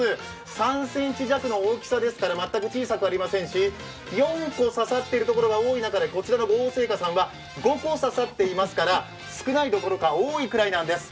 ３ｃｍ弱の大きさですから、全く小さくありませんし、４個刺さっているところが多い中でこちらの五王製菓さんは５個刺さってますから少ないどころか多いぐらいなんです。